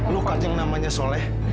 lu kan yang namanya soleh